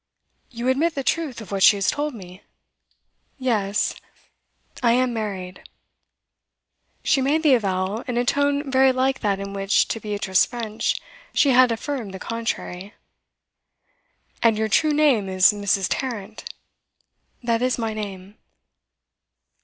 'You admit the truth of what she has told me?' 'Yes. I am married.' She made the avowal in a tone very like that in which, to Beatrice French, she had affirmed the contrary. 'And your true name is Mrs. Tarrant?' 'That is my name.